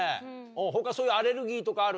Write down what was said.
他そういうアレルギーとかある？